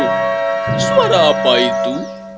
tunggu suara apa itu